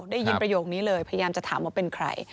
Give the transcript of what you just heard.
ได้ยินประโยคนี้เลยพยายามจะถามว่าเป็นใคร